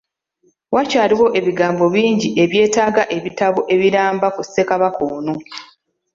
Wakyaliwo ebigambo bingi ebyetaaga ebitabo ebiramba ku Ssekabaka ono.